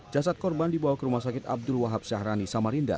jasad korban dibawa ke rumah sakit abdul wahab syahrani samarinda